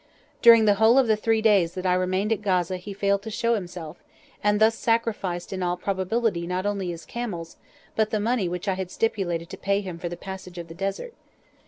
During the whole of the three days that I remained at Gaza he failed to show himself, and thus sacrificed in all probability not only his camels, but the money which I had stipulated to pay him for the passage of the Desert.